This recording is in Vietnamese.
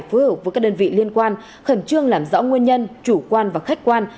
phối hợp với các đơn vị liên quan khẩn trương làm rõ nguyên nhân chủ quan và khách quan